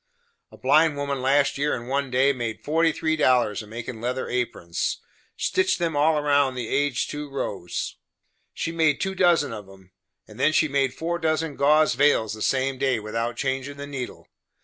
A blind woman last year, in one day, made 43 dollars a makin' leather aprons; stitched them all round the age two rows. She made two dozen of 'em, and then she made four dozen gauze veils the same day, without changin' the needle.